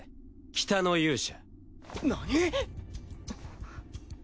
北の勇者？